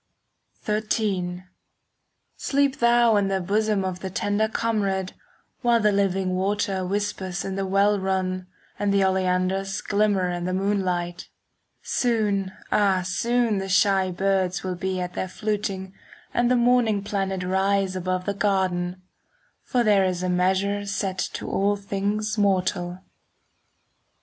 XIII Sleep thou in the bosom Of the tender comrade, While the living water Whispers in the well run, And the oleanders 5 Glimmer in the moonlight. Soon, ah, soon the shy birds Will be at their fluting, And the morning planet Rise above the garden; 10 For there is a measure Set to all things mortal.